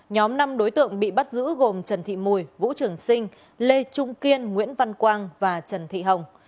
nhóm năm đối tượng bị bắt giữ gồm trần thị mùi vũ trường sinh lê trung kiên nguyễn văn quang và trần thị hồng